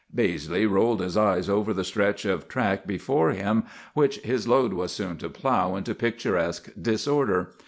"Baizley rolled his eyes over the stretch of track before him, which his load was soon to plough into picturesque disorder.